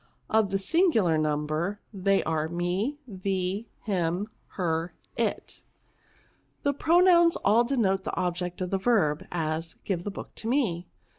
Of the singular number, they are, me^ thee, him, her, it. These pro PRONOUNS, ' 171 nouns all denote the object of a verb; as, give the book to me!